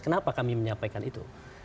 kenapa kami menyampaikan itu